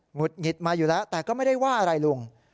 ุดหงิดมาอยู่แล้วแต่ก็ไม่ได้ว่าอะไรลุง